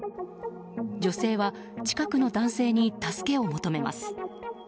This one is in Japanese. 女性は、近くの男性に助けを求めます。